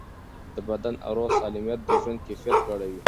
د بدن او روح سالمیت د ژوند کیفیت لوړوي.